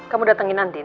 kamu datang ke andien